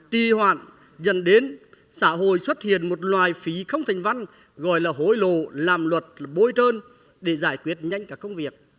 tì hoạn dần đến xã hội xuất hiện một loài phí không thành văn gọi là hối lộ làm luật bôi trơn để giải quyết nhanh cả công việc